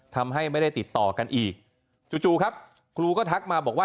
ทำให้ไม่ได้ติดต่อกันอีกจู่ครับครูก็ทักมาบอกว่า